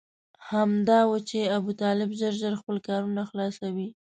همدا و چې ابوطالب ژر ژر خپل کارونه خلاصوي.